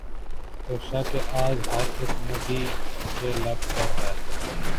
خوشا کہ آج ہر اک مدعی کے لب پر ہے